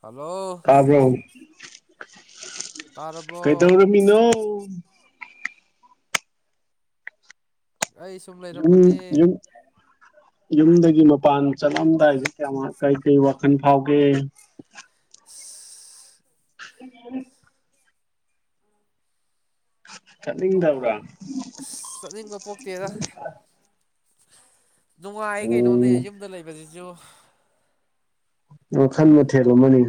Hello ꯄꯥꯕ꯭ꯔꯣ ꯇꯥꯔꯕꯣ ꯏꯅꯣ ꯑꯩꯁ ꯎꯝ ꯎ ꯌꯨꯝꯗꯒꯤ ꯃꯄꯥꯟ ꯆꯠꯂꯝꯗꯥꯏꯁꯦ ꯀꯌꯥ ꯀꯩ ꯀꯩ ꯋꯥꯈꯜ ꯐꯥꯎꯒꯦ ꯑꯁ ꯎꯝ ꯆ ꯇꯕ꯭ꯔꯥ ꯑꯁ ꯆꯠꯅꯤꯡꯕ ꯄꯣꯛꯇꯦꯗ ꯅꯨꯡꯉꯥꯏ ꯀꯩꯅꯣꯅꯦ ꯎꯝ ꯌꯨꯝꯗ ꯂꯩꯕꯁꯤꯁꯨ ꯑ ꯈꯟ ꯃ ꯊꯂꯣ ꯃꯅꯤ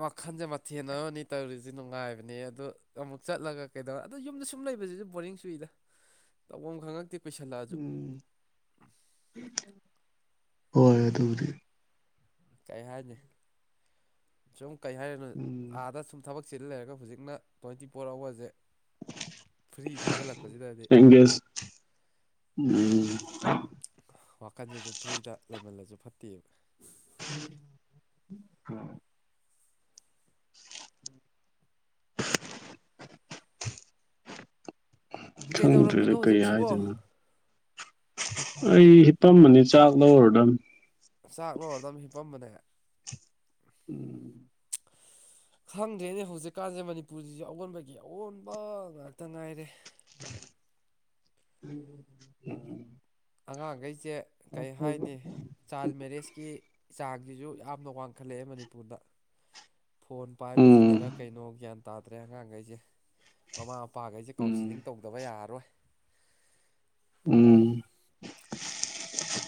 ꯋꯥꯈꯜꯁꯦ ꯃꯊꯦꯜ ꯑꯃꯅꯤ ꯇꯧꯔꯤꯁꯤ ꯅꯨꯡꯉꯥꯏꯕꯅꯦ ꯑꯗꯨꯗ ꯑꯃꯨꯛ ꯆꯠꯂꯒ ꯀꯩꯗꯧꯔ ꯑꯗꯣ ꯌꯨꯝꯗ ꯁꯨꯝ ꯂꯩꯕꯁꯤꯁꯨ ꯕꯣꯔꯤꯡ ꯁꯨꯏꯗ ꯇꯧꯕꯐꯝ ꯑꯃ ꯈꯪꯉꯛꯇꯦ ꯀꯨꯏꯁꯜꯂꯛꯑꯁꯨ ꯎꯝ ꯍꯣꯏ ꯑꯗꯨꯕꯨꯗꯤ ꯀꯩ ꯍꯥꯏꯅꯤ ꯁꯨꯝ ꯀꯩ ꯍꯥꯏꯔꯅꯣ ꯎꯝ ꯑꯥꯗ ꯁꯨꯝ ꯊꯕꯛꯁꯤꯗ ꯂꯩꯔꯒ ꯍꯧꯖꯤꯛꯅ ꯇ꯭ꯋꯦꯟꯇꯤ ꯐꯣꯔ ꯑꯋꯥꯔꯁꯦ ꯐ꯭ꯔꯤ ꯊꯥꯖꯤꯜꯂꯛꯄꯁꯤꯗꯗꯤ ꯑꯦꯡꯒꯦꯖ ꯎꯝ ꯋꯥꯈꯟꯁꯤꯁꯨ ꯐ꯭ꯔꯤꯗ ꯂꯩꯃꯜꯂꯁꯨ ꯐꯠꯇꯦꯕ ꯍ ꯀꯩꯗꯧꯔꯝꯃꯤꯅꯣ ꯈꯪꯗ꯭ꯔꯦꯗ ꯀꯩ ꯍꯧꯖꯤꯛꯁꯤꯕꯣ ꯍꯥꯏꯗꯣꯏꯅꯣ ꯑꯩ ꯍꯤꯄꯝ ꯑꯃꯅꯤꯅꯤ ꯆꯥꯛ ꯂꯧꯔꯨꯗꯅꯤ ꯆꯥꯛꯂꯔꯗꯝ ꯍꯤꯞꯄꯝꯕꯅꯦ ꯎꯝ [inaudible] ꯈꯪꯗ꯭ꯔꯦꯅꯦ ꯍꯧꯖꯤꯛꯀꯥꯟꯁꯦ ꯃꯅꯤꯄꯨꯔꯁꯤꯁꯨ ꯑꯑꯣꯟꯕꯒꯤ ꯑꯑꯣꯟꯕ ꯉꯥꯛꯇ ꯉꯥꯏꯔꯦ ꯎꯝ ꯑꯉꯥꯡꯈꯩꯁꯦ ꯀꯩ ꯍꯥꯏꯅꯤ ꯆꯥꯏꯜ ꯃꯦꯔꯤꯖꯀꯤ ꯆꯥꯡꯁꯤꯁꯨ ꯌꯥꯝꯅ ꯋꯥꯡꯈꯠꯂꯛꯑꯦ ꯃꯅꯤꯄꯨꯔꯗ ꯐꯣꯟ ꯎꯝ ꯄꯥꯏꯕꯁꯤꯅꯔ ꯀꯩꯅꯣ ꯒ꯭ꯌꯥꯟ ꯇꯥꯗ꯭ꯔꯦ ꯑꯉꯥꯡꯈꯩꯁꯦ ꯃꯃꯥ ꯅꯨꯄꯥꯈꯩꯁꯦ ꯎꯝ ꯀꯥꯎꯟꯁꯤꯂꯤꯡ ꯇꯧꯗꯕ ꯌꯥꯔꯔꯣꯏ ꯎꯝ [inaudible] [inaudible]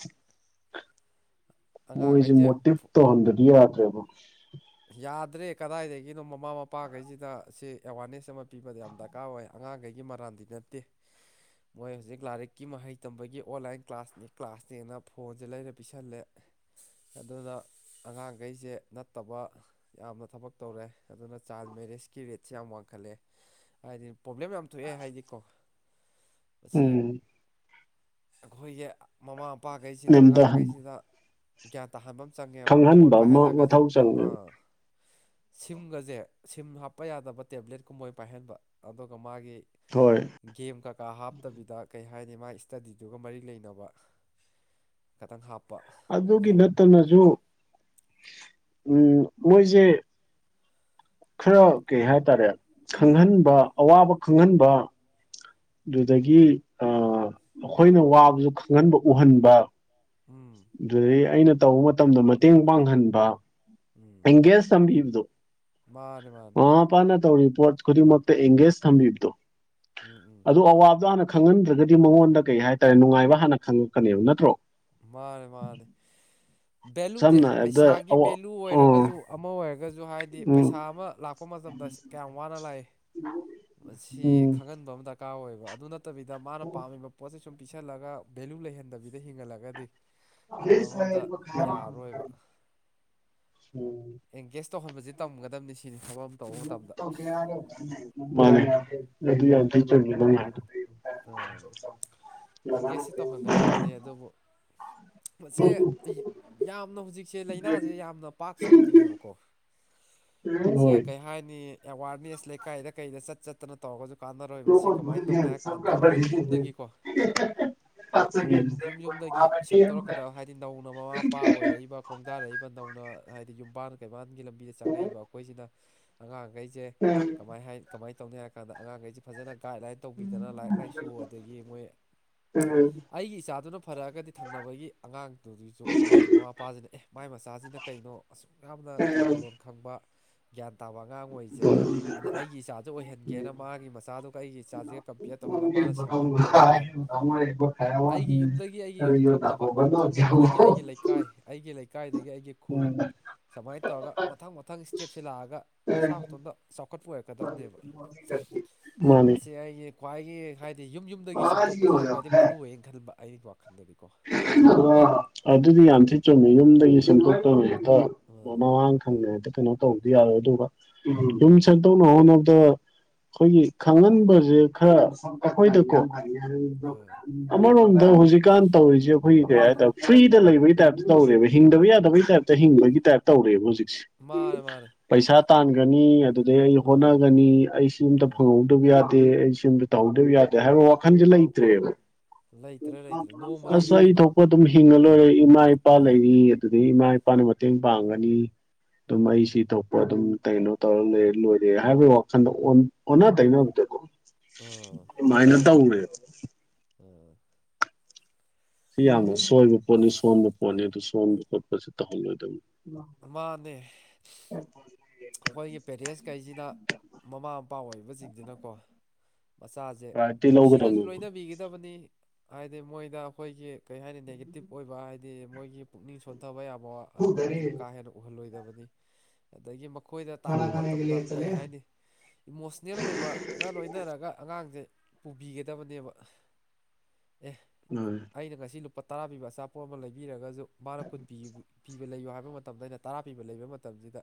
ꯃꯣꯏꯁꯦ ꯑꯉꯥꯡꯈꯩꯁꯦ ꯃꯣꯇꯤꯚꯦꯠ ꯇꯧꯍꯟꯕꯗꯤ ꯌꯥꯗ꯭ꯔꯦꯕ ꯌꯥꯗ꯭ꯔꯦ ꯀꯗꯥꯏꯗꯒꯤꯅꯣ ꯃꯃꯥ ꯃꯄꯥꯈꯩꯁꯤꯗ ꯁꯤ ꯑꯦꯋꯥꯔꯅꯦꯁ ꯑꯃ ꯄꯤꯕꯗ ꯌꯥꯝ ꯗꯔꯀꯥꯔ ꯑꯣꯏ ꯑꯉꯥꯡꯈꯩꯒꯤ ꯃꯔꯥꯟꯗꯤ ꯅꯠꯇꯦ ꯃꯣꯏ ꯍꯧꯖꯤꯛ ꯂꯥꯏꯔꯤꯛꯀꯤ ꯃꯍꯩ ꯇꯝꯕꯒꯤ ꯑꯣꯟꯂꯥꯏꯟ ꯀ꯭ꯂꯥꯁꯅꯤ ꯀ꯭ꯂꯥꯁꯅꯦꯅ ꯐꯣꯟꯁꯦ ꯂꯩꯔ ꯄꯤꯁꯜꯂꯦ ꯑꯗꯨꯅ ꯑꯉꯥꯡꯈꯩꯁꯦ ꯐꯠꯇꯕ ꯌꯥꯝꯅ ꯊꯕꯛ ꯇꯧꯔꯦ ꯑꯗꯨꯅ ꯆꯥꯏꯜ ꯃꯦꯔꯤꯖꯀꯤ ꯔꯦꯠꯁꯦ ꯌꯥꯝ ꯋꯥꯡꯈꯠꯂꯦ ꯍꯥꯏꯗꯤ ꯄ꯭ꯔꯣꯕ꯭ꯂꯦꯝ ꯌꯥꯝ ꯊꯣꯛꯑꯦ ꯍꯥꯏꯗꯤꯀꯣ ꯃꯁꯤ ꯎꯝ ꯑꯩꯈꯣꯏꯒꯤ ꯃꯃꯥ ꯃꯄꯥꯈꯩꯁꯤꯅ ꯅꯦꯝꯊꯍꯟ ꯑꯉꯥꯡꯈꯩꯁꯤꯗ ꯒ꯭ꯌꯥꯟ ꯇꯥꯍꯟꯕ ꯑꯃ ꯆꯪꯉꯦꯕ ꯐꯣꯟ ꯈꯪꯍꯟꯕ ꯑꯃ ꯄꯥꯏꯍꯜꯂꯒꯁꯨ ꯃꯊꯧ ꯆꯪꯉꯦ ꯑꯥ ꯁꯤꯝꯒꯁꯦ ꯁꯤꯝ ꯍꯥꯞꯄ ꯌꯥꯗꯕ ꯇꯦꯕ꯭ꯂꯦꯠ ꯀꯨꯝꯕꯣꯏ ꯄꯥꯏꯍꯟꯕ ꯑꯗꯨꯒ ꯃꯥꯒꯤ ꯍꯣꯏ ꯒꯦꯝ ꯀꯀꯥ ꯍꯥꯞꯇꯕꯤꯗ ꯀꯩ ꯍꯥꯏꯅꯤ ꯃꯥꯒꯤ ꯏꯁꯇꯗꯤꯗꯨꯒ ꯃꯔꯤ ꯂꯩꯅꯕ ꯇꯪꯈꯥꯇꯥ ꯍꯥꯞꯄ ꯑꯗꯣ ꯑꯗꯨꯒꯤ [unintelligible] ꯎꯝ ꯃꯣꯏꯁꯦ ꯈꯔ ꯀꯩ ꯍꯥꯏꯇꯥꯔꯦ ꯈꯪꯍꯟꯕ ꯑꯋꯥꯕ ꯈꯪꯍꯟꯕ ꯑꯗꯨꯗꯒꯤ ꯑ ꯑꯩꯈꯣꯏꯅ ꯋꯥꯕꯁꯨ ꯈꯪꯍꯟꯕ ꯎꯍꯟꯕ ꯎꯝ ꯑꯗꯨꯗꯒꯤ ꯑꯩꯅ ꯇꯧꯕ ꯃꯇꯝꯗ ꯃꯇꯦꯡ ꯄꯥꯡꯍꯟꯕ ꯎꯝ ꯑꯦꯡꯒꯦꯖ ꯇꯝꯕꯤꯕꯗꯣ ꯃꯥꯅꯦ ꯃꯥꯅꯦ ꯃꯄꯥꯅ ꯇꯧꯔꯤꯕ ꯄꯣꯠ ꯈꯨꯗꯤꯡꯃꯛꯇ ꯑꯦꯡꯒꯦꯖ ꯊꯝꯕꯤꯕꯗꯣ ꯎꯝ ꯎꯝ ꯑꯗꯨ ꯑꯋꯥꯕꯗꯣ ꯍꯥꯟꯅ ꯈꯪꯍꯟꯗ꯭ꯔꯒꯗꯤ ꯃꯉꯣꯟꯗ ꯀꯩ ꯍꯥꯏꯇꯥꯔꯦ ꯅꯨꯡꯉꯥꯏꯕ ꯍꯥꯟꯅ ꯈꯪꯉꯛꯀꯅꯦꯕ ꯅꯠꯇ꯭ꯔꯣ ꯃꯥꯅꯦ ꯃꯥꯅꯦ ꯕꯦꯂꯨꯗ ꯁꯝꯅ ꯍꯥꯏꯔꯕꯗ ꯄꯩꯁꯥꯒꯤ ꯑꯋꯥ ꯕꯦꯂꯨ ꯂꯨ ꯑ ꯑꯣꯏꯔꯒꯁꯨ ꯎꯝ ꯑꯃ ꯑꯣꯏꯔꯒꯁꯨ ꯍꯥꯏꯗꯤ ꯄꯩꯁꯥ ꯑꯃ ꯂꯥꯛꯄ ꯃꯇꯝꯗ ꯀꯌꯥꯝ ꯋꯥꯅ ꯂꯥꯛꯏ [unintelligible] ꯃꯁꯤ ꯎꯝ ꯈꯪꯍꯟꯕ ꯑꯃ ꯗꯔꯀꯥꯔ ꯑꯣꯏꯌꯦꯕ ꯑꯗꯨ ꯅꯠꯇꯕꯤꯗ ꯃꯥꯅ ꯄꯥꯝꯃꯤꯕ ꯄꯣꯠꯁꯦ ꯁꯨꯝ ꯄꯤꯁꯜꯂꯒ ꯚꯦꯂꯨ ꯂꯩꯍꯟꯗꯕꯤꯗ ꯍꯤꯡꯍꯜꯂꯒꯗꯤ ꯃꯉꯣꯟꯗ ꯌꯥꯔꯔꯣꯏꯕ ꯎꯝ ꯑꯦꯡꯒꯦꯖ ꯇꯧꯍꯟꯕꯁ ꯇꯝꯒꯗꯕꯅꯤ ꯁꯤꯅꯤ ꯊꯕꯛ ꯑꯃ ꯇꯧꯕ ꯃꯇꯝꯗ [unintelligible] ꯃꯥꯅꯦ ꯑꯗꯨ ꯌꯥꯊꯤ ꯆꯨꯝꯃꯦ ꯑꯣ ꯑꯦꯡꯒꯦꯖꯁ ꯇꯧꯍꯟꯒꯗꯕꯅꯦ ꯑꯗꯨꯕꯨ ꯃꯁꯦ ꯌꯥꯝꯅ ꯍꯧꯖꯤꯛꯁꯦ ꯂꯥꯏꯅꯥꯁꯦ ꯌꯥꯝꯅ ꯄꯥꯛꯁꯟꯈ꯭ꯔꯦꯕꯀꯣ ꯑꯦ ꯍꯣꯏ ꯀꯔꯤ ꯍꯥꯏꯅꯤ ꯑꯦꯋꯥꯔꯅꯦꯁ ꯂꯩꯀꯥꯏꯗ ꯀꯩꯗ ꯆꯠ ꯆꯠ ꯆꯠꯇꯅ ꯇꯧꯔꯒꯁꯨ ꯀꯥꯟꯅꯔꯣꯏ ꯃꯁꯤ ꯀꯃꯥꯏꯅ ꯇꯧꯅꯤ ꯍꯥꯏ ꯀꯥꯟꯗ ꯌꯨꯝ ꯌꯨꯝꯗꯒꯤꯀꯣ ꯌꯨꯝ ꯌꯨꯝꯗꯒꯤ ꯁꯦꯝꯗꯣꯔꯛꯀꯗꯕ ꯍꯥꯏꯗꯤ ꯅꯧꯅ ꯃꯃꯥ ꯃꯄꯥ ꯑꯣꯏꯔꯛꯏ ꯈꯣꯡꯗꯥꯔꯛꯏꯕ ꯅꯧꯅ ꯍꯥꯏꯗꯤ ꯌꯨꯝꯕꯥꯟ ꯀꯩꯕꯥꯥꯟꯒꯤ ꯂꯝꯕꯤꯗ ꯆꯪꯉꯛꯏꯕ ꯑꯩꯈꯣꯏꯁꯤꯅ ꯑꯉꯥꯡꯈꯩ ꯁꯦ ꯀꯃꯥꯏ ꯀꯃꯥꯏꯅ ꯇꯧꯅꯤ ꯍꯥꯏ ꯀꯥꯟꯗ ꯑꯉꯥꯡꯈꯩ ꯐꯖꯅ ꯒꯥꯏꯂꯥꯏꯟ ꯇꯧ ꯑꯗꯨꯗꯅ ꯂꯥꯏꯔꯤꯛ ꯂꯥꯏꯁꯨ ꯑꯗꯒꯤ ꯃꯣꯏ ꯑꯩꯒꯤ ꯏꯆꯥꯗꯨꯅ ꯐꯔꯛꯑꯒꯗꯤ ꯊꯪꯅꯕꯒꯤ ꯑꯉꯥꯡꯗꯨꯒꯤꯁꯨ ꯍꯥꯏꯗꯤ ꯃꯃꯥ ꯃꯄꯥꯁꯤꯅ ꯑꯦ ꯃꯥꯏ ꯃꯆꯥꯁꯤꯅ ꯀꯩꯅꯣ ꯑꯁ ꯑꯁꯨꯛ ꯌꯥꯝꯅ ꯊꯧꯒꯜꯂꯣꯟ ꯈꯪꯕ ꯒ꯭ꯌꯥꯟ ꯇꯥꯕ ꯑꯉꯥꯡ ꯑꯣꯏꯔꯤꯁꯦ ꯑꯗ ꯑꯩꯒꯤ ꯏꯆꯥꯔꯖ ꯑꯣꯏꯍꯟꯒꯦꯅ ꯃꯥꯒꯤ ꯃꯆꯥꯗꯨꯒ ꯑꯩꯒꯤ ꯏꯆꯥꯔꯁꯤꯒ ꯇꯧꯍꯜꯂ ꯃꯥꯅ ꯁꯦꯝꯃꯛꯑꯕ ꯃꯇꯝꯗ ꯑꯩꯒꯤ ꯌꯨꯝꯗꯒꯤ ꯑꯩꯒꯤ ꯌꯨꯝ ꯊꯝꯅꯕ ꯌꯨꯝꯊꯪꯅꯕꯗꯒꯤ ꯑꯩꯒꯤ ꯂꯩꯀꯥꯏ ꯑꯩꯒꯤ ꯂꯩꯀꯥꯏꯗꯒꯤ ꯑꯩꯒꯤ ꯈꯨꯜ ꯎꯝ ꯁꯨꯃꯥꯏꯅ ꯇꯧꯔꯒ ꯃꯊꯪ ꯃꯊꯪ ꯁ꯭ꯇꯦꯞꯁꯦ ꯂꯥꯛꯑꯒ ꯃꯁꯥ ꯃꯇꯣꯝꯗ ꯆꯥꯎꯈꯠꯄ ꯑꯣꯏꯔꯛꯀꯗꯕꯅꯦꯕ ꯃꯥꯅꯤ ꯁꯤ ꯑꯩꯒꯤ ꯈ꯭ꯋꯥꯏꯒꯤ ꯍꯥꯏꯗꯤ ꯌꯨꯝ ꯌꯨꯝꯗꯒꯤ ꯁꯦꯝꯗꯣꯛꯄꯁꯤꯅ ꯈ꯭ꯋꯥꯏꯗꯒꯤ ꯃꯔꯨꯏꯌꯦꯅ ꯈꯟꯕ ꯑꯩꯒꯤ ꯋꯥꯈꯜꯗꯗꯤꯀꯣ ꯑꯗꯨꯗꯤ ꯌꯥꯝꯊꯤ ꯆꯨꯝꯃꯦ ꯌꯨꯝꯗꯒꯤ ꯁꯦꯝꯗꯣꯛꯇꯅꯤ ꯍꯦꯛꯇ ꯑꯥ ꯃꯃꯥꯡ ꯈꯪꯗꯉꯩꯗ ꯀꯩꯅꯣ ꯇꯧꯕꯗꯤ ꯌꯥꯔꯣꯏ ꯑꯗꯨꯒ ꯌꯨꯝ ꯁꯛꯇꯧꯅꯕ ꯍꯣꯠꯅꯕꯅꯕꯗ ꯑꯩꯈꯣꯏꯒꯤ ꯈꯪꯍꯟꯕꯁꯦ ꯈꯔ ꯑꯩꯈꯣꯏꯗꯀꯣ ꯑꯥ ꯑꯃꯔꯣꯝꯗ ꯍꯧꯖꯤꯛꯀꯥꯟ ꯇꯧꯔꯤꯁꯦ ꯑꯩꯈꯣꯏꯒꯤ ꯀꯩ ꯍꯥꯏꯇꯥꯔꯦ ꯐ꯭ꯔꯤꯗ ꯂꯩꯕꯒꯤ ꯇꯥꯏꯞꯇ ꯇꯧꯔꯦꯕ ꯍꯤꯡꯗꯕ ꯌꯥꯗꯕꯒꯤ ꯇꯥꯏꯞꯇ ꯍꯤꯡꯕꯒꯤ ꯇꯥꯏꯞ ꯇꯧꯔꯦꯕ ꯍꯧꯖꯤꯛꯁꯦ ꯃꯥꯅꯦ ꯃꯥꯅꯦ ꯄꯩꯁꯥ ꯇꯥꯟꯒꯅꯤ ꯑꯗꯨꯗꯩ ꯑꯩ ꯑꯥ ꯍꯣꯠꯅꯒꯅꯤ ꯑꯩ ꯁꯤ ꯑꯝꯇ ꯑꯥ ꯍꯪꯍꯧꯗꯕ ꯌꯥꯗꯦ ꯑꯩ ꯁꯤꯝꯗ ꯇꯧꯍꯧꯗꯕ ꯌꯥꯗꯦ ꯍꯥꯏꯕ ꯋꯥꯈꯜꯁꯦ ꯂꯩꯇ꯭ꯔꯦꯕ ꯂꯩꯇ꯭ꯔꯦ ꯂꯩꯇ꯭ꯔꯦ ꯅꯣꯡ ꯑꯁ ꯑꯩ ꯊꯣꯛꯄ ꯑꯗꯨꯝ ꯍꯤꯡꯉ ꯂꯣꯏꯔꯦ ꯏꯃꯥ ꯏꯄꯥ ꯑꯥ ꯂꯩꯔꯤ ꯑꯗꯨꯗꯩ ꯏꯃꯥ ꯏꯄꯥꯅ ꯃꯇꯦꯡ ꯄꯥꯡꯒꯅꯤ ꯑꯗꯨꯝ ꯑꯥ ꯑꯩ ꯁꯤ ꯊꯣꯛꯄ ꯑꯗꯨꯝ ꯀꯩꯅꯣ ꯇꯧꯔꯂꯦ ꯂꯣꯏꯔꯦ ꯍꯥꯏꯕꯒꯤ ꯋꯥꯈꯟꯗ ꯑꯣꯟꯅ ꯇꯩꯅꯕꯗꯀꯣ ꯑꯥ ꯃꯥꯏꯅꯗ ꯎꯔꯦ ꯎꯝ ꯁꯤ ꯌꯥꯝꯅ ꯁꯣꯏꯕ ꯄꯣꯠꯅꯤ ꯁꯣꯟꯕ ꯄꯣꯠꯅꯤ ꯑꯗꯨ ꯁꯣꯟꯕ ꯈꯣꯠꯄꯁꯤ ꯇꯧꯍꯜꯂꯣꯏꯗꯕꯅꯤ ꯃꯥꯅꯦ ꯎꯝ ꯑꯩꯈꯣꯏꯒꯤ ꯄꯦꯔꯦꯟꯁꯈꯩꯁꯤꯅ ꯃꯃꯥ ꯃꯄꯥ ꯑꯣꯏꯕꯁꯤꯡꯁꯤꯅꯀꯣ ꯃꯆꯥꯁꯦ ꯄ꯭ꯔꯥꯏꯌꯣꯔꯤꯇꯤ ꯅꯨꯡꯁꯤꯅꯁꯨ ꯂꯧꯒꯗꯕꯅꯦꯕ ꯂꯣꯏꯅꯕꯤꯒꯗꯕꯅꯤ ꯍꯥꯏꯗꯤ ꯃꯣꯏꯗ ꯑꯩꯈꯣꯏꯒꯤ ꯀꯩ ꯍꯥꯏꯅꯤ ꯅꯦꯒꯦꯇꯤꯞ ꯑꯣꯏꯕ ꯍꯥꯏꯗꯤ ꯃꯣꯏꯒꯤ ꯄꯨꯛꯅꯤꯡ ꯁꯣꯟꯊꯕ ꯌꯥꯕ ꯑꯗꯨꯒꯨꯝꯕꯁꯨ ꯀꯥ ꯍꯦꯟꯅ ꯎꯍꯜꯂꯣꯏꯗꯕꯅꯤ ꯑꯗꯒꯤ ꯃꯈꯣꯏꯗ ꯇꯥꯛꯄ ꯃꯇꯝꯗ ꯀꯩ ꯍꯥꯏꯅꯤ ꯏꯃꯣꯁꯅꯦꯜ ꯑꯣꯏꯕꯒ ꯂꯣꯏꯅꯔꯒ ꯑꯉꯥꯡꯁꯦ ꯄꯨꯕꯤꯒꯗꯕꯅꯦꯕ ꯑꯦ ꯑꯩꯅ ꯉꯁꯤ ꯂꯨꯄꯥ ꯇꯔꯥ ꯄꯤꯕ ꯑꯆꯥꯄꯣꯠ ꯑꯃ ꯂꯩꯕꯤꯔꯒꯁꯨ ꯃꯥꯅ ꯀꯨꯟꯤ ꯄꯤꯕ ꯂꯩꯌꯨ ꯍꯥꯏꯕ ꯃꯇꯝ ꯃꯇꯝꯗ ꯑꯩꯅ ꯇꯔꯥ ꯄꯤꯕ ꯂꯩꯕ ꯃꯇꯝꯁꯤꯗ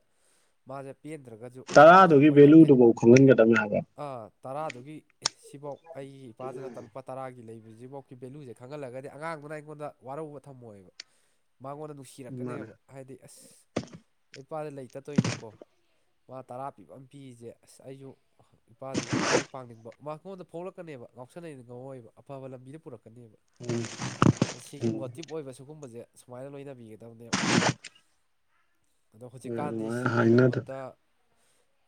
ꯃꯥꯁꯦ ꯄꯦꯟꯗ꯭ꯔꯒꯗꯤ ꯇꯔꯥꯗꯨꯒꯤ ꯚꯦꯂꯨꯗꯨꯐꯥꯎ ꯈꯪꯍꯟꯒꯗꯕꯅꯦ ꯍꯥꯏꯕ ꯇꯔꯥꯗꯨꯒꯤ ꯁꯤꯐꯧ ꯑꯩꯒꯤ ꯏꯄꯥꯁꯤꯅ ꯇꯔꯨꯄꯥ ꯇꯔꯥꯒꯤ ꯂꯩꯕꯁꯤꯛꯐꯥꯎꯒꯤ ꯚꯦꯂꯨꯁꯦ ꯈꯪꯍꯜꯂꯒꯗꯤ ꯑꯉꯥꯡꯗꯨꯅ ꯑꯩꯉꯣꯟꯗ ꯋꯥꯔꯧꯕ ꯊꯝꯃꯣꯏꯑꯕ ꯃꯉꯣꯟꯗ ꯃꯥꯅꯦ꯫ ꯅꯨꯡꯁꯤꯔꯛꯀꯅꯦꯕ ꯍꯥꯏꯗꯤ ꯑꯁ ꯑꯩ ꯄꯥꯗ ꯂꯩꯇꯠꯇꯣꯏꯅꯤ ꯑꯣ ꯃꯥ ꯇꯔꯥ ꯄꯤꯕ ꯑꯃ ꯄꯤꯔꯤꯁꯦ ꯑꯁ ꯑꯩꯁꯨ ꯏꯄꯥꯁꯤꯒꯤ ꯃꯇꯦꯡ ꯄꯥꯡꯅꯤꯡꯕ ꯃꯥꯉꯣꯟꯗ ꯐꯣꯡꯂꯛꯀꯅꯦꯕ ꯉꯥꯎꯁꯟꯅ ꯉꯝꯏꯕ ꯑꯐꯕ ꯂꯝꯕꯤꯗ ꯄꯨꯔꯛꯀꯅꯦꯕ ꯎꯝ ꯁꯤꯒꯤ ꯃꯣꯇꯤꯕ ꯑꯣꯏꯕ ꯁꯤꯒꯨꯝꯕꯁꯦ ꯁꯨꯃꯥꯏꯅ ꯂꯣꯏꯅꯕꯤꯒꯗꯕꯅꯦ ꯑꯗꯣ ꯍꯣꯏ ꯍꯧꯖꯤꯛꯀꯥꯟꯗꯤ ꯑꯗꯨꯃꯥꯏꯅ ꯁꯤꯒꯤ ꯍꯥꯏꯅꯗ ꯃꯍꯨꯠꯇ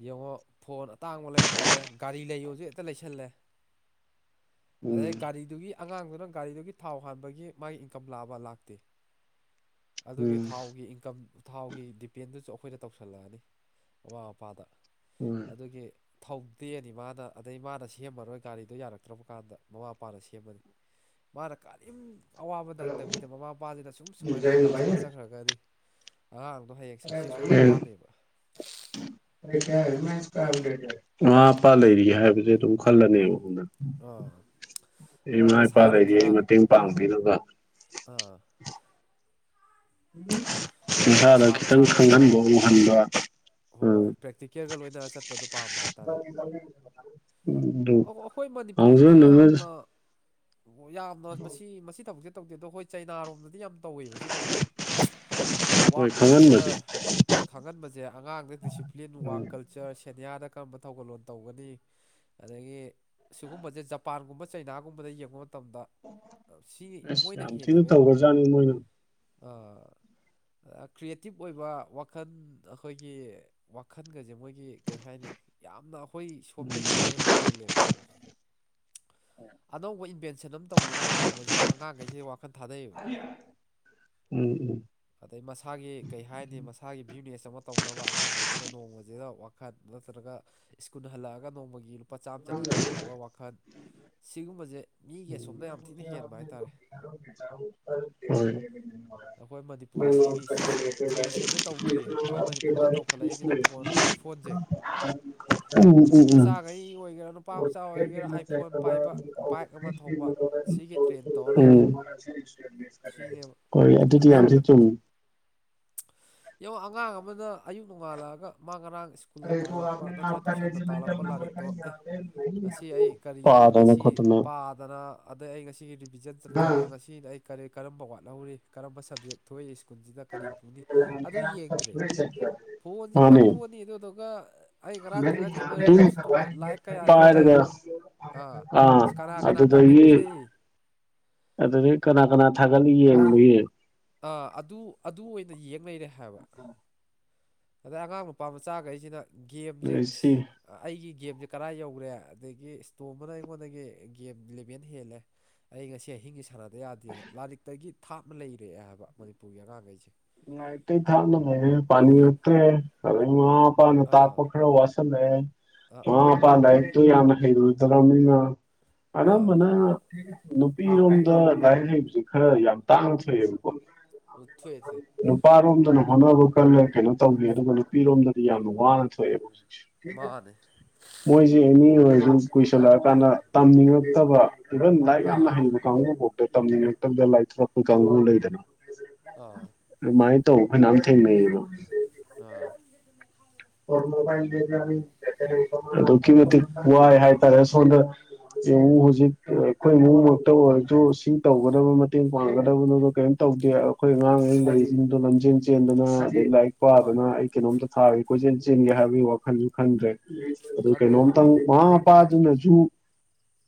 ꯌꯦꯡꯉꯣ ꯐꯣꯟ ꯑꯇꯥꯡꯕ ꯂꯩꯔ ꯄꯤꯔꯦ ꯒꯥꯔꯤ ꯂꯩꯌꯣꯁꯨ ꯍꯦꯛꯇ ꯂꯩꯁꯜꯂꯦ ꯑꯗꯩ ꯎꯝ ꯒꯥꯔꯤꯗꯨꯒꯤ ꯑꯉꯥꯡꯗꯨꯅ ꯒꯥꯔꯤꯗꯨꯒꯤ ꯊꯥꯎ ꯍꯥꯟꯕꯒꯤ ꯃꯥꯒꯤ ꯏꯟꯀꯝ ꯂꯥꯕ ꯂꯥꯛꯇꯦ ꯑꯗꯨꯒꯤ ꯎꯝ ꯊꯥꯎꯒꯤ ꯏꯟꯀꯝ ꯊꯥꯎꯒꯤ ꯗꯤꯄꯦꯟꯗꯨꯁꯨ ꯑꯩꯈꯣꯏꯗ ꯇꯧꯁꯤꯜꯂꯛꯑꯅꯤ ꯃꯃꯥ ꯃꯄꯥꯗ ꯍꯣꯏ ꯑꯗꯨꯒꯤ ꯊꯧꯗꯦꯅꯤ ꯃꯥꯅ ꯑꯗꯩ ꯃꯥꯅ ꯁꯦꯝꯃꯔꯣꯏ ꯒꯥꯔꯤꯗꯣ ꯌꯥꯔꯛꯇ꯭ꯔꯕ ꯀꯥꯟꯗ ꯃꯃꯥ ꯃꯄꯥꯅ ꯁꯦꯝꯃꯅꯤ ꯃꯥꯅ ꯀꯔꯤꯝ ꯑꯋꯥꯕ ꯅꯪꯗꯕꯤꯗ ꯃꯃꯥ ꯃꯄꯥꯁꯤꯅ ꯁꯁꯨꯝ ꯁꯨꯃꯥꯏꯅ ꯊꯣꯡ ꯁꯥꯖꯈ꯭ꯔꯒꯗꯤ ꯑꯗ ꯍ ꯌꯥ ꯑ ꯃꯃꯥ ꯃꯄꯥ ꯂꯩꯔꯤ ꯍꯥꯏꯕꯁꯦ ꯑꯗꯨꯝ ꯈꯜꯂꯅꯦꯕꯅ ꯑꯥ ꯑꯩ ꯑꯗꯨꯅ ꯏꯃꯥ ꯏꯄꯥ ꯃꯁꯥꯅ ꯂꯩꯔꯤ ꯈꯔ ꯑꯩ ꯃꯇꯦꯡ ꯄꯥꯡꯕꯤꯔꯒ ꯑꯥ ꯑꯗ ꯏꯁꯟꯁꯥꯗꯣ ꯃꯁꯥ ꯈꯤꯇꯪ ꯃꯁꯥꯁꯦ ꯈꯔ ꯈꯪꯍꯟꯕ ꯎꯡꯍꯟꯕ꯭ꯔ ꯍꯣꯏ ꯄ꯭ꯔꯦꯛꯇꯤꯀꯦꯜꯒ ꯂꯣꯏꯅꯅ ꯆꯠꯄꯗꯣ ꯄꯥꯝꯕ ꯍꯥꯏꯇꯥꯥꯔꯦ [unintelligible] ꯑꯗꯨ ꯑꯩꯈꯣꯏ ꯃꯅꯤꯄꯨꯔꯗꯗꯤ ꯃꯥꯡꯖꯧꯅꯅ ꯌꯥꯝꯅ ꯑꯣ ꯌꯥꯝꯅ ꯃꯁꯤ ꯃꯁꯤ ꯊꯕꯛꯁꯦ ꯇꯧꯗꯦ ꯑꯗꯣ ꯍꯣꯏ ꯆꯩꯅꯥꯔꯣꯝꯗꯗꯤ ꯌꯥꯝ ꯇꯧꯋꯦꯕ ꯁꯤ ꯊꯕꯛꯁꯦ [inaudible] ꯍꯣꯏ ꯋꯥꯛ ꯈꯪꯍꯟꯕꯁꯦ ꯀꯜꯆꯔ ꯈꯪꯍꯟꯕꯁꯦ ꯑꯉꯥꯡꯗ ꯗꯤꯁꯤꯄ꯭ꯂꯤꯟ ꯋꯔꯥꯛ ꯎꯝ ꯀꯜꯆꯔ ꯁꯦꯅꯤꯌꯥꯗ ꯀꯔꯝꯕ ꯊꯧꯒꯜꯂꯣꯟ ꯇꯧꯒꯅꯤ ꯑꯗꯒꯤ ꯁꯤꯒꯨꯝꯕꯁꯦ ꯖꯄꯥꯟꯒꯨꯝꯕ ꯆꯩꯅꯥꯒꯨꯝꯕꯗ ꯌꯦꯡꯕ ꯃꯇꯝꯗ ꯁꯤ ꯑꯁ ꯃꯣꯏꯅ ꯌꯥꯝ ꯊꯤꯅ ꯍꯦꯜꯂꯦꯕ ꯌꯥꯝꯅ ꯇꯧꯒ꯭ꯔꯖꯥꯠꯅꯤ ꯃꯣꯏꯅ ꯑ ꯀ꯭ꯔꯤꯌꯦꯇꯤꯞ ꯑꯣꯏꯕ ꯋꯥꯈꯜ ꯑꯩꯈꯣꯏꯒꯤ ꯋꯥꯈꯟꯒꯁꯦ ꯃꯣꯏꯒꯤ ꯀꯩ ꯍꯥꯏꯅꯤ ꯌꯥꯝꯅ ꯑꯩꯈꯣꯏ ꯁꯣꯝꯗꯒꯤꯗꯤ ꯃꯣꯏꯅ ꯍꯦꯜꯂꯦꯕ ꯑꯅꯧꯕ ꯏꯟꯚꯦꯟꯁ ꯇꯧꯅꯤꯡꯉꯥꯏ ꯅꯣꯡꯃꯁꯤꯗ ꯑꯉꯥꯡꯈꯩꯁꯦ ꯋꯥꯈꯜ ꯊꯥꯗꯩꯌꯦꯕ ꯎꯝ ꯎꯝ ꯑꯗꯩ ꯃꯁꯥꯒꯤ ꯀꯩ ꯍꯥꯏꯅꯤ ꯃꯁꯥꯒꯤ ꯕꯤꯖꯤꯨꯅꯦꯁ ꯑꯃ ꯇꯧꯅꯕ ꯑꯉꯥꯡꯈꯩꯁꯤꯅ ꯅꯣꯡꯃꯁꯤꯗ ꯋꯥꯈꯜ ꯅꯠꯇ꯭ꯔꯒ ꯁ꯭ꯀꯨꯜ ꯍꯜꯂꯛꯑꯒ ꯅꯣꯡꯃꯒꯤ ꯂꯨꯄꯥ ꯆꯥꯝꯃ ꯆꯅꯤ ꯊꯣꯛꯅꯕ ꯋꯥꯈꯜ ꯁꯤꯒꯨꯝꯕꯁꯦ ꯃꯤꯒꯤ ꯑꯁꯣꯝꯅ ꯌꯥꯝ ꯊꯤꯅ ꯍꯦꯟꯕ ꯍꯥꯏꯇꯥꯔꯦ [inaudible] ꯦ ꯑꯩꯈꯣꯏ ꯃꯅꯤꯄꯨꯔ ꯑꯁꯤꯒꯤ ꯎꯝ ꯇ꯭ꯔꯦꯗꯤꯁꯟꯁꯦ ꯇꯧꯗ꯭ꯔꯤ ꯑꯩꯈꯣꯏ ꯎ ꯃꯅꯤꯄꯨꯔꯗ ꯇꯧꯈꯠꯂꯛꯏꯁꯤꯅ ꯐꯣꯟ ꯎ ꯑꯥꯏꯐꯣꯟꯁꯦ ꯎꯝ ꯅꯨꯄꯤ ꯃꯆꯥꯈꯩ ꯑꯣꯏꯒꯦꯔꯥ ꯅꯨꯄꯥ ꯃꯆꯥ ꯈꯦ ꯑꯣꯏꯒꯦꯔꯥ ꯑꯥꯏꯐꯣꯟ ꯄꯥꯏꯕ ꯕꯥꯏꯛ ꯆ ꯑꯃ ꯊꯧꯕ ꯁꯤꯒꯤ ꯇ꯭ꯔꯦꯟ ꯇꯧꯔ ꯂꯩꯔꯦꯕ ꯁꯤꯅꯦꯕ [inaudible] ꯍꯣꯏ ꯑꯗꯨꯗꯤ ꯌꯥꯝ ꯌꯥꯝꯁꯨ ꯆꯨꯝ ꯁꯣꯏꯔꯛꯇꯣꯏꯁꯦ ꯌꯦꯡꯉꯣ ꯑꯉꯥꯡ ꯑꯃꯅ ꯑꯌꯨꯛ ꯅꯣꯡꯉꯥꯜꯂꯛꯑꯒ ꯃꯥ ꯉꯔꯥꯡ ꯁ꯭ꯀꯨꯜꯗ ꯇꯥꯛꯂꯛꯄ ꯅꯠꯇ꯭ꯔꯒ ꯇꯨꯋꯏꯁꯟꯗ ꯇꯥꯛꯂꯛꯄ ꯂꯥꯏꯔꯤꯛꯇꯣ ꯑꯦ ꯉꯁꯤ ꯑꯩ ꯀꯔꯤ ꯄꯥꯗꯅ ꯉꯁꯤ ꯈꯣꯠꯇꯅ ꯄꯥ ꯑꯗꯨꯅ ꯑꯗꯩ ꯑꯩ ꯉꯁꯤꯒꯤ ꯔꯤꯚꯤꯖꯟ ꯆꯠꯀꯗ꯭ꯔꯥ ꯉꯁꯤ ꯑꯩ ꯀꯔꯤ ꯀꯔꯝꯕ ꯋꯥꯠꯍꯧꯔꯤ ꯀꯔꯝꯕ ꯁꯞꯖꯦꯛ ꯊꯣꯛꯏ ꯁ꯭ꯀꯨꯜꯁꯤꯗ ꯀꯔꯤ ꯄꯨꯅꯤ ꯑꯗꯨ ꯌꯦꯡꯗ꯭ꯔꯦ ꯐꯣꯟꯁꯦ ꯐꯥꯛꯇꯣꯛꯑꯅꯤ ꯑꯗꯨꯗꯨꯒ ꯑꯩ ꯉꯔꯥꯡ ꯊꯥꯒꯠꯈꯤꯕ ꯔꯤꯜꯁꯇꯣ ꯂꯥꯏꯛ ꯀꯌꯥ ꯌꯧꯔꯦ ꯄꯔꯒ ꯑꯥ ꯑꯁ ꯀꯅꯥ ꯀꯅꯥ ꯀꯃꯦꯟ ꯑꯗꯨꯗꯒꯤ ꯄꯤꯔꯛꯏ ꯑꯗꯨꯗꯒꯤꯩ ꯀꯅꯥ ꯀꯅꯥ ꯊꯥꯒꯠꯂ ꯌꯦꯡꯕꯏ ꯑꯥ ꯑꯗꯨ ꯑꯗꯨ ꯑꯣꯏꯅ ꯌꯦꯡ ꯂꯩꯔꯦ ꯍꯥꯏꯕ [inaudible] ꯑꯗꯩ ꯑꯉꯥꯡ ꯅꯨꯄꯥ ꯃꯆꯥꯈꯩꯁꯤꯅ ꯒꯦꯝꯁꯦ ꯑꯗꯨ ꯁꯤ ꯑꯩꯒꯤ ꯒꯦꯝꯁꯦ ꯀꯔꯥ ꯌꯧꯈ꯭ꯔꯦ ꯑꯗꯒꯤ ꯏꯁꯇꯣꯝꯕꯅ ꯑꯩꯉꯣꯟꯗꯒꯤ ꯒꯦꯝ ꯂꯂꯦꯚꯦꯟ ꯍꯦꯜꯂꯦ ꯑꯩ ꯉꯁꯤ ꯑꯍꯤꯡꯒꯤ ꯁꯥꯟꯅꯗ ꯌꯥꯗꯦꯅ ꯂꯥꯏꯔꯤꯛꯇꯒꯤ ꯊꯥꯞꯅ ꯂꯩꯔꯛꯑꯦ ꯍꯥꯏꯕ ꯃꯅꯤꯄꯨꯔꯒꯤ ꯑꯉꯥꯡꯈꯩꯁꯦ ꯉ ꯇ ꯊꯥꯅ ꯄꯅꯤ ꯑꯠꯇꯦ ꯑ ꯄꯥꯅ ꯑꯥ ꯇꯥꯞꯄꯈꯔ ꯋꯥꯁꯂ ꯑꯥ ꯑꯥ ꯋꯥꯄꯥꯂ ꯑꯗꯨ ꯌꯥꯝꯅ ꯍꯩꯔꯨ ꯗꯔꯅꯤꯅ ꯑꯥ ꯑꯌꯥꯝꯝꯕꯅ ꯅꯨꯄꯤꯔꯣꯝꯗ ꯂꯥꯏꯔꯤꯛ ꯍꯩꯕꯁꯦ ꯈꯔ ꯌꯥꯝ ꯇꯥꯡꯅ ꯊꯣꯛꯑꯦꯕꯀꯣ ꯄ꯭ꯊ꯭ꯋꯦꯁ ꯅꯨꯄꯥꯔꯣꯝꯗꯅ ꯍꯣꯠꯅꯕ ꯀꯔ ꯀꯩꯅꯣ ꯇꯧꯒ ꯑꯗꯨꯒ ꯅꯨꯄꯤꯔꯣꯝꯗꯗꯤ ꯌꯥꯝꯅ ꯋꯥꯅ ꯊꯣꯛꯑꯦꯕ ꯍꯧꯖꯤꯛꯁꯦ ꯃꯥꯅꯦ ꯃꯣꯏꯁꯦ ꯑꯦꯅꯤ ꯑꯣꯏ ꯑꯗꯨ ꯀꯨꯏꯁꯜꯂꯛꯑꯀꯥꯟꯗ ꯇꯝꯅꯤꯡꯉꯛꯇꯕ ꯏꯚꯟ ꯂꯥꯏꯔꯤꯛ ꯌꯥꯝꯅ ꯑꯥ ꯍꯩꯕ ꯀꯥꯡꯕꯨ ꯐꯥꯎꯗꯦ ꯇꯝꯅꯤꯡꯉꯛꯇꯗ ꯂꯥꯏꯔꯤꯄ ꯀꯥꯡꯕꯨ ꯂꯩꯗꯅ ꯑꯥ ꯃꯥꯥꯏ ꯇꯧ ꯐꯣꯏꯅꯥꯝ ꯊ ꯃꯣ ꯑ ꯍꯥꯏꯇꯥꯔꯦ ꯁꯣꯟꯗ ꯌꯦꯡꯉꯨ ꯍꯧꯖꯤꯛ ꯑꯩꯈꯣꯏ ꯏꯨꯡꯃꯛꯇ ꯑꯣꯏꯔꯁꯨ ꯏꯁꯤꯡ ꯇꯧꯒꯗꯕ ꯃꯇꯦꯡ ꯄꯥꯡꯒꯗꯕꯗꯨꯗꯣ ꯀꯔꯤꯝ ꯇꯧꯗꯦ ꯑꯩꯈꯣꯏ ꯑꯉꯥꯡ ꯑꯣꯏꯔꯤꯩ ꯒꯥꯔꯤꯁꯤꯡꯗꯣ ꯂꯝꯖꯦꯟ ꯆꯦꯟꯗꯅ ꯑꯩ ꯂꯥꯏꯔꯤꯛ ꯍꯣꯏ ꯄꯥꯗꯅ ꯑꯩ ꯀꯩꯅꯣꯝꯇ ꯊꯥꯒꯦ ꯀꯣꯏꯆꯦꯜ ꯆꯤꯟꯒꯦ ꯍꯥꯏꯕꯒꯤ ꯋꯥꯈꯜꯁꯨ ꯈꯟꯗ꯭ꯔꯦ ꯑꯗꯨ ꯈꯟꯗ꯭ꯔꯦ ꯀꯩꯅꯣꯝꯇꯪ ꯃꯃꯥ ꯃꯄꯥꯁꯤꯡꯅꯁꯨ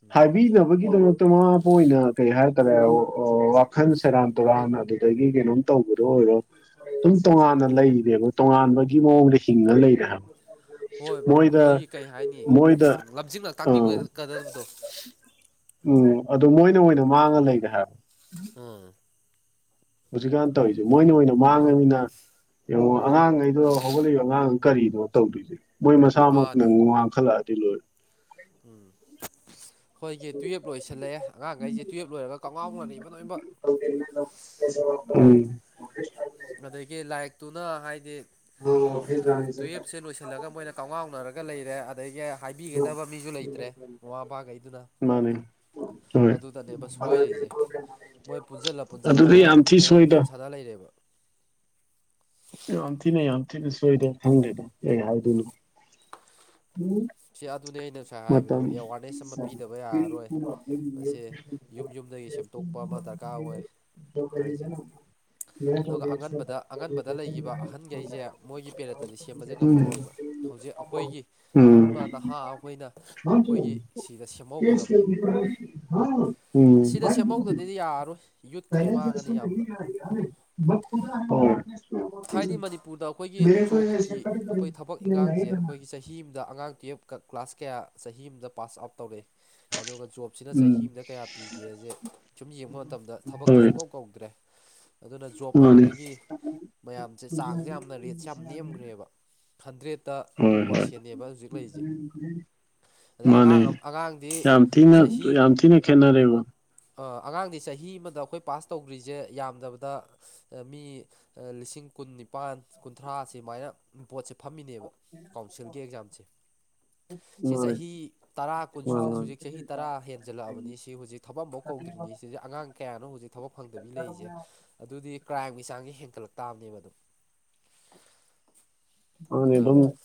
ꯎꯝ ꯍꯥꯏꯕꯤꯅꯕ ꯒꯤꯗꯃꯛꯇ ꯃꯃꯥꯕ ꯑꯣꯏꯅ ꯀꯩ ꯍꯥꯏꯇꯥꯔꯦ ꯋꯥꯈꯜ ꯁꯦꯔꯥꯟ ꯇꯨꯔꯥꯟ ꯑ ꯑꯗꯒꯤ ꯀꯩꯅꯣꯝ ꯇꯧꯕꯗꯣ ꯑꯣꯏꯔꯣ ꯑꯗꯨꯝ ꯇꯣꯉꯥꯟꯅ ꯂꯩꯔꯕ ꯇꯣꯉꯥꯟꯕꯒꯤ ꯃꯑꯣꯡꯗꯤ ꯆꯤꯡꯉ ꯂꯩꯔꯦ ꯍꯥꯏꯕ ꯍꯣꯏ ꯕ ꯃꯣꯏꯗ ꯑꯩꯈꯣꯏꯒꯤ ꯀꯩ ꯍꯥꯏꯅꯤ ꯃꯣꯏꯗ ꯂꯝꯖꯤꯡꯂ ꯑꯥ ꯇꯥꯛꯄꯤꯕꯀꯗꯕꯗꯣ ꯎꯝ ꯑꯗꯨ ꯃꯣꯏꯅ ꯃꯣꯏꯅ ꯃꯥꯡꯉ ꯂꯩꯒꯦ ꯍꯥꯏꯕ ꯎꯝ ꯍꯧꯖꯤꯛꯀꯥꯟ ꯇꯧꯔꯤꯁꯦ ꯃꯣꯏꯅ ꯑꯣꯏꯅ ꯃꯥꯡꯉꯅꯤꯅ ꯌꯦꯡꯉꯣ ꯑꯉꯥꯡꯈꯩꯗꯣ ꯍꯧꯒꯠꯂꯛꯏꯕ ꯑꯉꯥꯡ ꯀꯔꯤꯅꯣ ꯇꯧꯗꯣꯏꯁꯦ ꯃꯣꯏ ꯃꯁꯥꯃꯛꯅ ꯃꯥꯅꯤ ꯋꯥꯡꯈꯠꯂꯛꯑꯗꯤ ꯂꯣꯏꯔꯦ ꯎꯝ ꯍꯣꯏꯒꯤ ꯇꯨꯌꯦꯜꯞ ꯂꯣꯏꯁꯜꯂꯛꯑꯦ ꯑꯉꯥꯡꯈꯩꯁꯦ ꯇꯨꯌꯦꯜꯞ ꯂꯣꯏꯔꯒ ꯀꯥꯎꯉꯥꯎꯅꯕ ꯂꯣꯏꯅꯃꯛ [inaudible] [inaudible] ꯑꯗꯒꯤ ꯂꯥꯏꯔꯤꯛꯇꯨꯅ ꯍꯥꯏꯗꯤ ꯇꯨꯌꯦꯜꯞꯁꯦ ꯂꯣꯏꯁꯤꯜꯂꯒ ꯃꯣꯏꯅ ꯀꯥꯎꯉꯥꯎꯅꯔꯒ ꯂꯩꯔꯦ ꯑꯗꯒꯤ ꯍꯥꯏꯕꯤꯒꯗꯕ ꯃꯤꯁꯨ ꯂꯩꯇ꯭ꯔꯦ ꯃꯃꯥ ꯃꯄꯥꯈꯩꯗꯨꯅ ꯃꯥꯅꯦ ꯍꯣꯏ ꯑꯗꯨꯇꯅꯦꯕ ꯁꯣꯏꯔꯤꯁꯦ ꯃꯣꯏ ꯄꯨꯟꯁꯤꯜꯂ ꯑꯗꯨꯗꯤ ꯄꯨꯟꯁꯤꯜꯂꯒ ꯌꯥꯝ ꯊꯤ ꯐꯣꯟ ꯒꯦꯝ ꯁꯣꯏꯗ ꯁꯥꯟꯅ ꯂꯩꯔꯦꯕ ꯌꯥꯝꯇꯤꯅꯦ ꯌꯥꯝꯇꯅꯁꯨꯣꯏꯗ ꯊꯪꯒꯦꯗ ꯎꯝ ꯎꯝ ꯁ ꯑꯗꯨꯅꯦ ꯑꯩꯅ ꯉꯁꯥꯏ ꯍꯥꯏꯕꯗꯣ ꯑꯦꯋꯥꯔꯅꯦꯁ ꯑꯃ ꯄꯤꯗꯕ ꯌꯥꯔꯔꯣꯏ ꯃꯁꯤ ꯌꯨꯝ ꯌꯨꯝꯗꯒꯤ ꯁꯦꯝꯗꯣꯛꯄ ꯑꯃ ꯗꯔꯀꯥꯔ ꯑꯣꯏ ꯇ ꯀꯔꯤꯖꯦ ꯍꯥꯏꯁꯦ ꯅ ꯑꯗꯨꯒ ꯑꯉꯟꯕꯗ ꯑꯉꯟꯕꯗ ꯂꯩꯈꯤꯕ ꯑꯍꯟꯈꯩꯁꯦ ꯃꯣꯏꯒꯤ ꯄꯦꯔꯠꯇꯗꯤ ꯁꯦꯝꯕꯁꯦ ꯎꯝ ꯉꯝꯃꯔꯣꯏꯕ ꯍꯧꯖꯤꯛ ꯑꯩꯈꯣꯏꯒꯤ ꯅꯧꯅ ꯅꯍꯥ ꯑꯩꯈꯣꯏꯅ ꯑꯩꯈꯣꯏꯒꯤ ꯁꯤꯗ ꯁꯦꯝꯍꯧꯒꯗꯕꯅꯦꯕ ꯍ ꯎꯝ ꯈꯍꯧꯗꯗꯤ ꯌꯥꯔꯔꯣꯏ ꯌꯨꯠꯈꯩ ꯄꯂꯦꯟ ꯁꯨ ꯃꯥꯡꯉꯅꯤ ꯌꯥꯝꯅ ꯌꯥꯔ ꯌꯥꯔ ꯈꯨ ꯊꯥꯏꯗꯤ ꯃꯅꯤꯄꯨꯔꯗ ꯑꯩꯈꯣꯏꯒꯤ ꯖꯣꯕꯀꯤ ꯑꯩꯈꯣꯏ ꯊꯕꯛ ꯏꯪꯈꯥꯡꯁꯦ ꯑꯩꯈꯣꯏꯒꯤ ꯆꯍꯤ ꯆꯍꯤ ꯑꯃꯗ ꯑꯉꯥꯡ ꯇꯨꯌꯦꯞꯀ ꯀ꯭ꯂꯥꯁ ꯀꯌꯥ ꯆꯍꯤ ꯑꯃꯗ ꯄꯥꯁ ꯑꯥꯎꯠ ꯇꯧꯔꯛꯏ ꯑꯗꯨꯒ ꯖꯣꯕ ꯁꯤꯅ ꯆꯍꯤ ꯎꯝ ꯑꯃꯗ ꯀꯌꯥ ꯄꯤꯒꯦꯁꯦ ꯁꯨꯝ ꯌꯦꯡꯕ ꯃꯇꯝꯗ ꯊꯕꯛꯇꯤ ꯍꯣꯏ ꯁꯨꯡꯀꯧ ꯀꯧꯗ꯭ꯔꯦ ꯑꯗꯨꯅ ꯖꯣꯕ ꯃꯥꯅꯤ ꯐꯪꯕꯒꯤ ꯃꯌꯥꯝꯁꯦ ꯆꯥꯡꯁꯦ ꯌꯥꯝꯅ ꯔꯦꯠꯁꯦ ꯌꯥꯝ ꯅꯦꯝꯈ꯭ꯔꯦꯕ ꯍꯟꯗ꯭ꯔꯦꯠꯇ ꯇꯨ ꯍꯣꯏ ꯍꯣꯏ ꯄꯥꯔꯁꯦꯟꯅꯦꯕ ꯍꯧꯖꯤꯛ ꯂꯩꯔꯤꯁꯦ ꯑꯗꯩ ꯃꯥꯅꯤ ꯑꯉꯥꯡ ꯑꯉꯥꯡꯗꯤ ꯌꯥꯝ ꯊꯤꯅ ꯆꯍꯤ ꯌꯥꯝ ꯊꯤꯅ ꯈꯦꯠꯅꯔꯦꯕ ꯑꯉꯥꯡꯗꯤ ꯆꯍꯤ ꯑꯃꯗ ꯑꯩꯈꯣꯏ ꯄꯥꯁ ꯇꯧꯗ꯭ꯔꯤꯁꯦ ꯌꯥꯝꯗꯕꯗ ꯃꯤ ꯂꯤꯁꯤꯡ ꯀꯨꯟ ꯅꯤꯄꯥꯥꯟ ꯀꯨꯟꯊ꯭ꯔꯥ ꯁꯦꯃꯥꯏꯅ ꯄꯕꯣꯠꯁꯦ ꯐꯝꯃꯤꯅꯦꯕ ꯀꯥꯎꯟꯁꯤꯜꯒꯤ ꯑꯦꯛꯖꯥꯝꯁꯦ ꯁꯤ ꯃꯥꯣꯏ ꯆꯍꯤ ꯇꯔꯥ ꯀꯨꯟ ꯍꯧꯨꯖꯤꯛ ꯆꯍꯤ ꯇꯔꯥ ꯍꯦꯟꯖꯂꯛꯑꯕꯅꯤ ꯁꯤ ꯍꯧꯖꯤꯛ ꯊꯕꯛꯐꯥꯎ ꯀꯧꯗ꯭ꯔꯤꯅꯤ ꯁꯤ ꯑꯉꯥꯡ ꯀꯌꯥꯅ ꯍꯧꯖꯤꯛ ꯊꯕꯛ ꯐꯪꯗꯕꯤ ꯂꯩꯔꯤꯁꯦ ꯑꯗꯨꯗꯤ ꯀ꯭ꯔꯥꯏꯝꯒꯤ ꯆꯥꯡꯁꯦ ꯍꯦꯟꯀꯠꯂꯛ ꯇꯥꯕꯅꯦꯕ ꯑꯗꯨ ꯑꯅꯦꯗ꯭ꯔꯣ